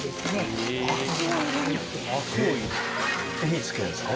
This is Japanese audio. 火つけるんですか？